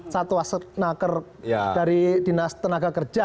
satu aset naker dari dinas tenaga kerja